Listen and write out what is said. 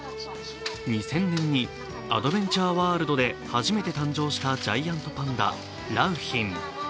２０００年に、アドベンチャーワールドで初めて誕生したジャイアントパンダ・良浜。